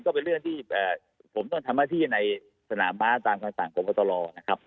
ก็เป็นเรื่องที่ผมต้องทำมาที่ในสนามมาตราตามความสังคมก็ตลอดนะครับ